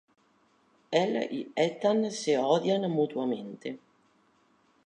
Él y Ethan se odian mutuamente.